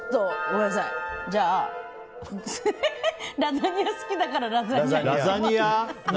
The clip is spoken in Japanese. じゃあ、ラザニア好きだからラザニア。